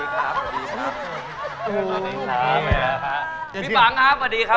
สวัสดีครับสวัสดีครับ